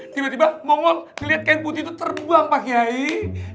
tiba tiba mongol liat kain putih itu terbang pake air